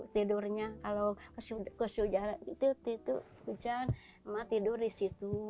tidurnya kalau ke sujarah gitu hujan emak tidur di situ